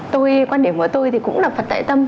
tôi quan điểm của tôi thì cũng là phật tại tâm